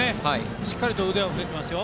しっかり腕は振れていますよ。